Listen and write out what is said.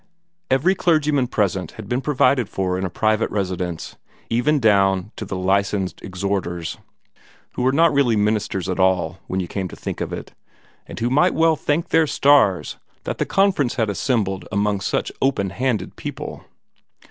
Every clergyman present had been provided for in a private residence even down to the Licensed Exhorters, who were not really ministers at all when you came to think of it, and who might well thank their stars that the Conference had assembled among such open handed people.